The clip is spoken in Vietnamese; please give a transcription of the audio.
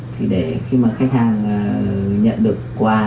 thì để khi mà khách hàng nhận được quà